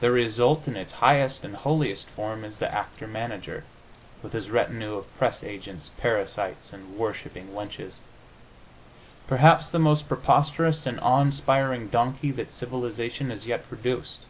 The result, in its highest and holiest form is the actor manager, with his retinue of press agents, parasites and worshipping wenches perhaps the most preposterous and awe inspiring donkey that civilization has yet produced.